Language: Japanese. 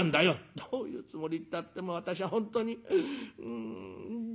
「どういうつもりったって私は本当にうんじれったい！」。